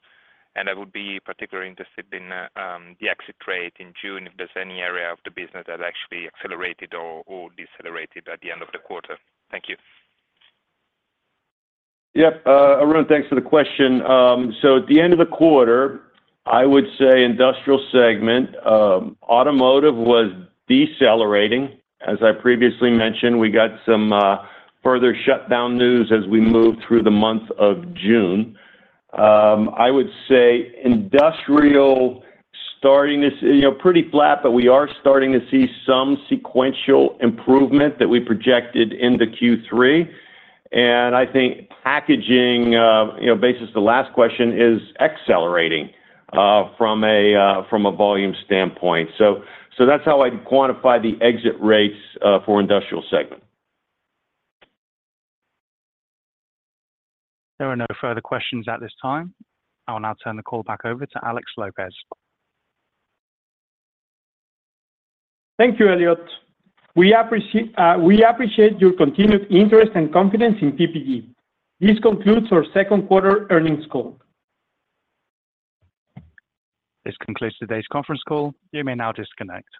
And I would be particularly interested in the exit rate in June, if there's any area of the business that actually accelerated or decelerated at the end of the quarter. Thank you. Yep. Aron, thanks for the question. So at the end of the quarter, I would say industrial segment, automotive was decelerating. As I previously mentioned, we got some further shutdown news as we moved through the month of June. I would say industrial starting to see pretty flat, but we are starting to see some sequential improvement that we projected in the Q3. And I think packaging, basically the last question, is accelerating from a volume standpoint. So that's how I'd quantify the exit rates for industrial segment. There are no further questions at this time. I'll now turn the call back over to Alex Lopez. Thank you, Elliot. We appreciate your continued interest and confidence in PPG. This concludes our second quarter earnings call. This concludes today's conference call. You may now disconnect.